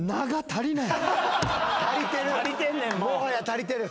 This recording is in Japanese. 足りてる！